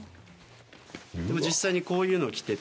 実際にこういうのを着てて。